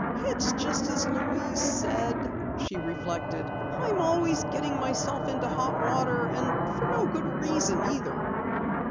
"It's just as Louise said," she reflected. "I'm always getting myself into hot water and for no good reason, either!"